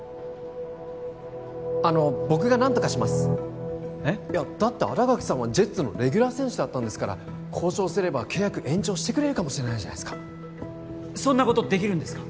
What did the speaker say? あの僕が何とかしますえっ？いやだって新垣さんはジェッツのレギュラー選手だったんですから交渉すれば契約延長してくれるかもしれないじゃないですかそんなことできるんですか？